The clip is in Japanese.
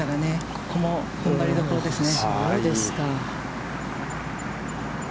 ここも踏ん張りどころですね。